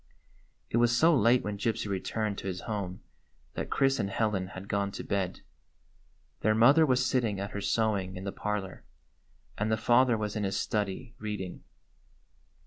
It was so late when Gypsy returned to his home that Chris and Helen had gone to bed. Their mother was sitting at her sewing in the parlor, and the father was in his study reading.